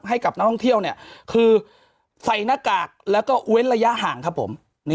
ให้กับนักท่องเที่ยวคือใส่หน้ากากแล้วก็เว้นระยะห่างครับผม